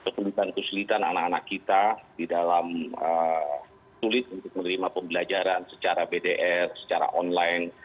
kesulitan kesulitan anak anak kita di dalam sulit untuk menerima pembelajaran secara bdr secara online